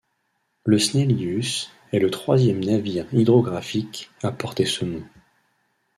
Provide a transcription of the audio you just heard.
Le Snellius est le troisième navire hydrographique a porter ce nom.